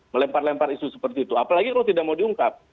melempar lempar isu seperti itu apalagi kalau tidak mau diungkap